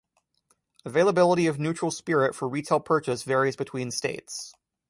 Availability of neutral spirit for retail purchase varies between states.